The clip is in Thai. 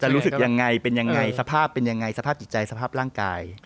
รู้สึกยังไงเป็นยังไงสภาพเป็นยังไงสภาพจิตใจสภาพร่างกาย